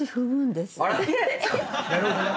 なるほどね。